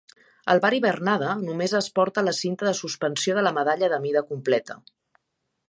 El bar "hivernada" només es porta a la cinta de suspensió de la Medalla de mida completa.